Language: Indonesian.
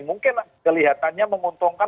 mungkin kelihatannya menguntungkan